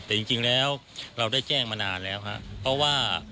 แต่จริงแล้วเราได้แจ้งมานานแล้วครับ